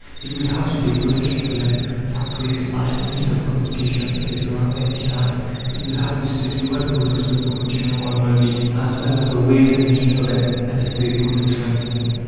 It will have to take possession of land, factories, mines, means of communication, etc., and besides, it will have to study what products will promote general well being, as well as the ways and means of an adequate production.